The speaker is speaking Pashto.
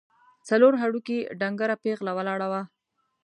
څلور هډوکي، ډنګره پېغله ولاړه وه.